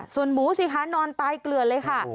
ส่วนหมูสิคะนอนตายเกลือเลยค่ะ